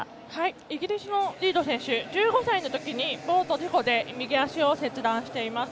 イギリスのリード選手１５歳のときにボート事故で右足を切断しています。